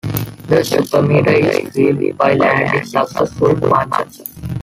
The super meter is filled by landing successful punches.